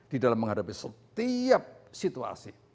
di dalam menghadapi setiap situasi